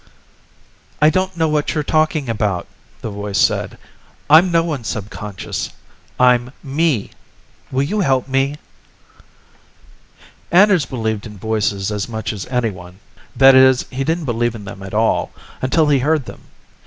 "I don't know what you're talking about," the voice said. "I'm no one's subconscious. I'm me. Will you help me?" Anders believed in voices as much as anyone; that is, he didn't believe in them at all, until he heard them.